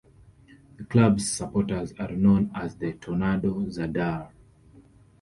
The club's supporters are known as the Tornado Zadar.